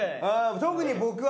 特に僕は。